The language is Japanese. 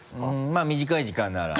まぁ短い時間なら。